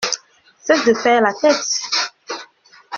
Cesse de faire la tête !